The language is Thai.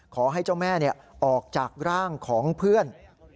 ขอให้เจ้าแม่ออกจากร่างของเพื่อน